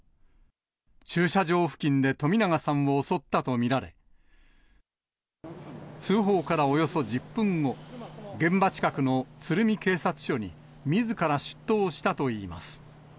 駐車場付近で冨永さんを襲ったと見られ、通報からおよそ１０分後、現場近くの鶴見警察署にみずから出頭したといいます。